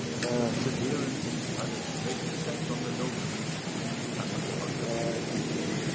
His appearance had as great an effect on the notary as a thunderbolt.